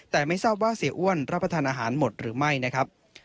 แต่ไม่ทราบว่าเสียอ้วนรับประทานอาหารหมดหรือไม่นะครับ